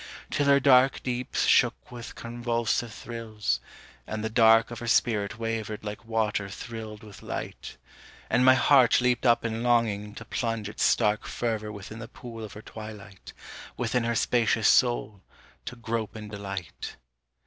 Till her dark deeps shook with convulsive thrills, and the dark Of her spirit wavered like water thrilled with light; And my heart leaped up in longing to plunge its stark Fervour within the pool of her twilight, Within her spacious soul, to grope in delight.